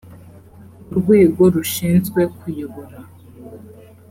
urwego rushinzwe kuyobora